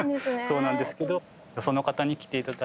そうなんですけどよ